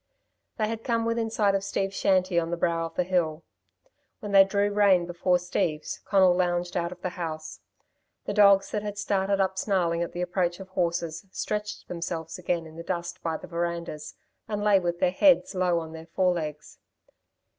They had come within sight of Steve's shanty on the brow of the hill. When they drew rein before Steve's, Conal lounged out of the house. The dogs that had started up snarling at the approach of horses stretched themselves again in the dust by the verandahs, and lay with their heads low on their forelegs.